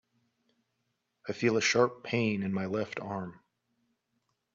I feel a sharp pain in my left arm.